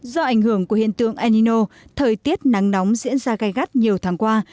do ảnh hưởng của hiện tượng enino thời tiết nắng nóng diễn ra gai gắt nhiều tháng qua